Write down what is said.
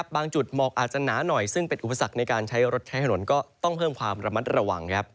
บางจุดหมอกอาจจะหนาหน่อยซึ่งเป็นอุปสรรคในการใช้รถใช้ถนนก็ต้องเพิ่มความระมัดระวัง